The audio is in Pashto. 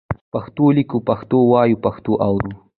پښتو لیکو، پښتو وایو، پښتو اورو.